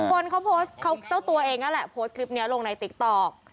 คนเขาโพสต์เขาเจ้าตัวเองนั่นแหละโพสต์คลิปนี้ลงในติ๊กต๊อก